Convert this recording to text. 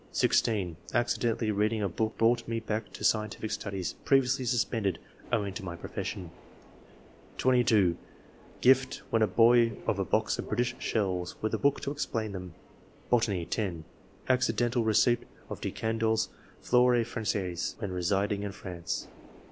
(16) Accidentally reading a book brought me back to scientific stnidies, previously suspended owing to my profession. (22) Gift, when a boy, of a box of British shells with a book to explain them. Botany. — (10) Accidental receipt of De Can dolle's *^ Flore franjaise," when residing in France.